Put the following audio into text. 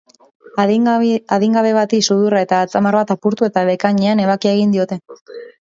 Adingabe bati sudurra eta atzamar bat apurtu, eta bekainean ebakia egin diote.